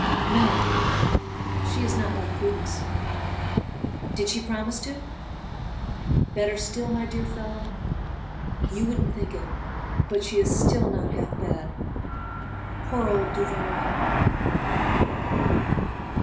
"No." "She is not like Prudence." "Did she promise to?" "Better still, my dear fellow. You wouldn't think it; but she is still not half bad, poor old Duvernoy!"